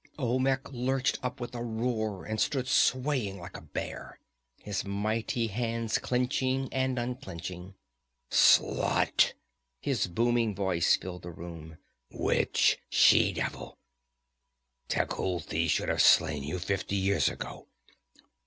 Olmec lurched up with a roar, and stood swaying like a bear, his mighty hands clenching and unclenching. "Slut!" His booming voice filled the room. "Witch! She devil! Tecuhltli should have slain you fifty years ago!